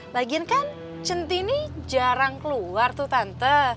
lagiin kan centini jarang keluar tuh tante